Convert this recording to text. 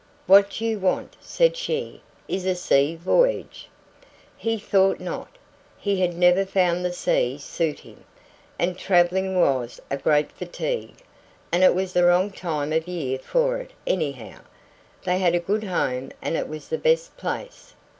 "What you want," said she, "is a sea voyage." He thought not. He had never found the sea suit him. And travelling was a great fatigue. And it was the wrong time of year for it, anyhow. They had a good home, and it was the best place.